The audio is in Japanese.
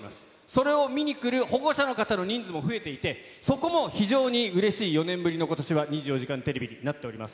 それを見に来る保護者の方の人数も増えていて、そこも非常にうれしい４年ぶりのことしは２４時間テレビになっております。